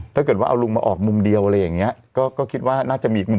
ถ้าเกิดว่าเอาลุงมาออกมุมเดียวอะไรอย่างเงี้ยก็คิดว่าน่าจะมีอีกมุม